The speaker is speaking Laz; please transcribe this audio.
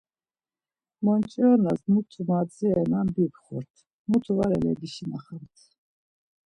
Monç̌inoras mutu madziranen bipxort, mutu var elebişinaxamt.